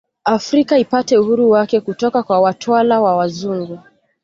Afrika ipate uhuru wake kutoka kwa watwala wa wazungu